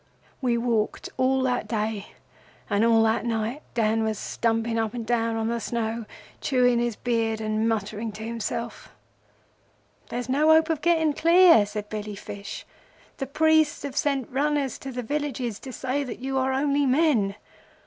"'We walked all that day, and all that night Dan was stumping up and down on the snow, chewing his beard and muttering to himself. "'There's no hope o' getting clear,' said Billy Fish. 'The priests will have sent runners to the villages to say that you are only men.